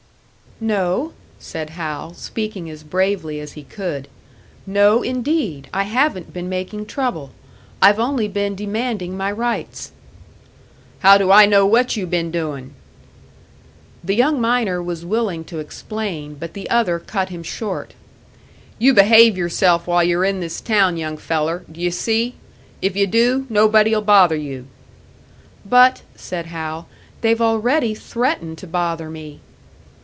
"No," said Hal, speaking as bravely as he could "no indeed, I haven't been making trouble. I've only been demanding my rights." "How do I know what you been doin'?" The young miner was willing to explain, but the other cut him short. "You behave yourself while you're in this town, young feller, d'you see? If you do, nobody'll bother you." "But," said Hal, "they've already threatened to bother me."